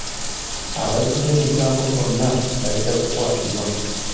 Abazzi b'emisango bonna bajja kukwatibwa.